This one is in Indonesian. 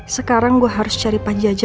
sekarang gue harus cari panjajah